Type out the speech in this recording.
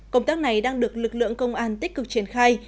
công tác này đang được lực lượng công an tích cực triển khai